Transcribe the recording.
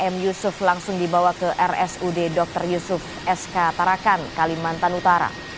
m yusuf langsung dibawa ke rsud dr yusuf sk tarakan kalimantan utara